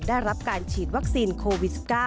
ได้รับการฉีดวัคซีนโควิด๑๙